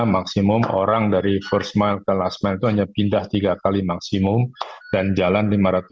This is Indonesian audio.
maksimum orang dari first mile ke last mile itu hanya pindah tiga kali maksimum dan jalan lima ratus